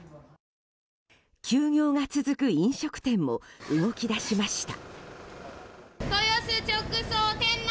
休業が続く飲食店も動き出しました。